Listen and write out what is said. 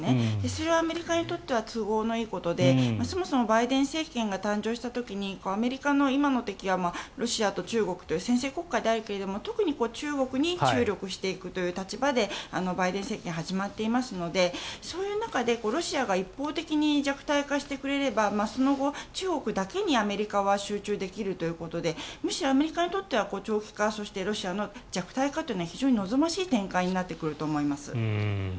それはアメリカにとっては都合のいいことでそもそもバイデン政権が誕生した時にアメリカの今の敵はロシアと中国という専制国家であるけれども特に中国に注力していくという立場でバイデン政権が始まっていますのでそういう中でロシアが一方的に弱体化してくれればその後、中国だけにアメリカは集中できるということでむしろアメリカにとっては長期化、そしてロシアの弱体化は非常に望ましい展開になってくると思います。